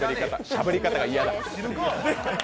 しゃべり方が嫌だ。